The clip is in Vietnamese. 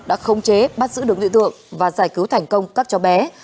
đã không chế bắt giữ được nghị tượng và giải cứu thành công các cháu bé